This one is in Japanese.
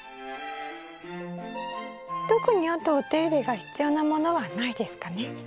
特にあとお手入れが必要なものはないですかね？